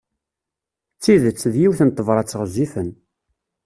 D tidet, d yiwet n tebrat ɣezzifen.